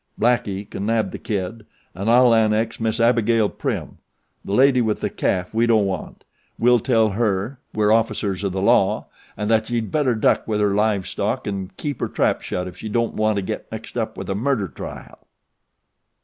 Blackie can nab The Kid an' I'll annex Miss Abigail Prim. The lady with the calf we don't want. We'll tell her we're officers of the law an' that she'd better duck with her live stock an' keep her trap shut if she don't want to get mixed up with a murder trial."